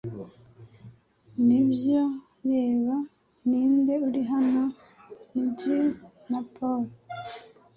Nibyo, reba ninde uri hano! Ni Jill na Paul!